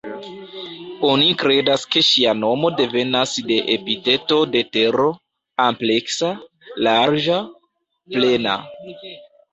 Oni kredas ke ŝia nomo devenas de epiteto de Tero: "ampleksa", "larĝa", "plena".